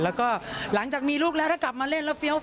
แล้วก็หลังจากมีลูกแล้วถ้ากลับมาเล่นแล้วเฟี้ยว